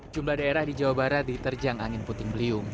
jumlah daerah di jawa barat diterjang angin puting beliung